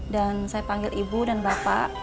dan saya panggil ibu dan bapak